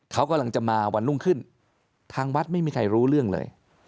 เขากำลังจะมาวันรุ่งขึ้นทางวัดไม่มีใครรู้เรื่องเลย